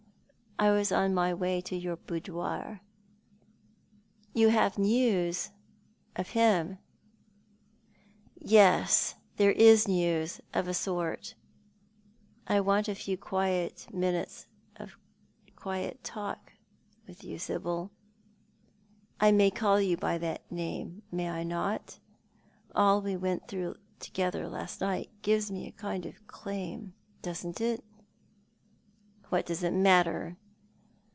I was on my way to your boudoir." " You have news — of him ?"" Yes, there is news — of a sort. I want a few minutes' quiet talk with you, Sibyl — I may call you by that name, may I not ? All we went through together last night gives me a kind of claim, doesn't it?" "What does it matter?"